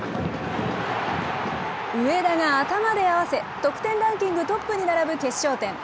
上田が頭で合わせ、得点ランキングトップに並ぶ決勝点。